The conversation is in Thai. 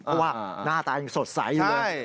เพราะว่าหน้าตายังสดใสอยู่เลย